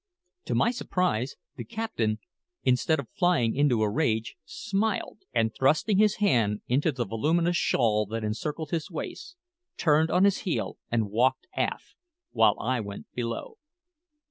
To my surprise, the captain, instead of flying into a rage, smiled, and thrusting his hand into the voluminous shawl that encircled his waist, turned on his heel and walked aft, while I went below.